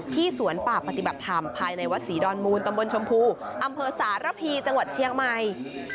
สวนป่าปฏิบัติธรรมภายในวัดศรีดอนมูลตำบลชมพูอำเภอสารพีจังหวัดเชียงใหม่